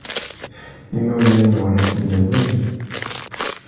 Imawlan-nwent ḥemmlen-iyi.